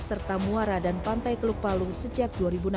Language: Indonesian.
serta muara dan pantai teluk palu sejak dua ribu enam belas